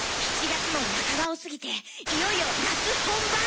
７月も半ばを過ぎていよいよ夏本番って感じだよね。